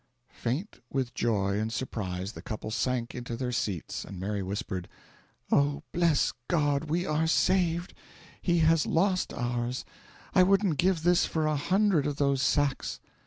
Faint with joy and surprise, the couple sank into their seats, and Mary whispered: "Oh, bless God, we are saved! he has lost ours I wouldn't give this for a hundred of those sacks!"